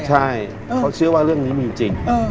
ใช่เขาเชื่อว่าเรื่องนี้มีอยู่จริง